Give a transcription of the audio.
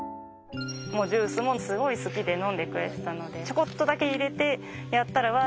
ジュースもすごい好きで飲んでくれてたのでちょこっとだけ入れてやったらわあ